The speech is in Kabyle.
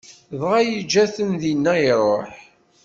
Dɣa yeǧǧa-ten dinna, iṛuḥ.